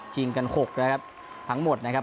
กัน๖นะครับทั้งหมดนะครับ